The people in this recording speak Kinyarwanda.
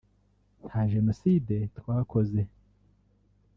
nta Jenoside twakoze